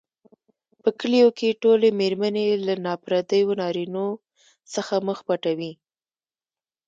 په کلیو کې ټولې مېرمنې له نا پردیو نارینوو څخه مخ پټوي.